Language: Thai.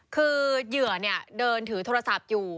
คือเหยื่อเดินถือโทรศัพท์อยู่